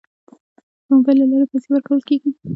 د موبایل له لارې پیسې ورکول کیږي.